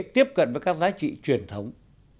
tiếp cận với các giá trị truyền thống